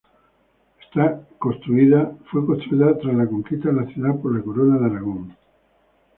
Fue construida tras la conquista de la ciudad por la Corona de Aragón.